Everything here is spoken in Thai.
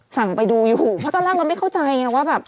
สั่งไปดูอยู่เพราะตอนแรกเราไม่เข้าใจไงว่าแบบ